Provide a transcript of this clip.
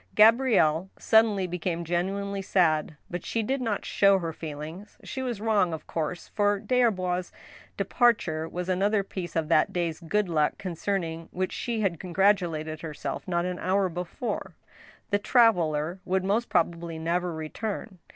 Gabrielle suddenly became genuinely sad, but she did not show her feelings. She was wrong, of course, for des Arbois's departure was another piece of that day's good luck concerning which she had congratulated herself not an hour before. The traveler would most probably never return.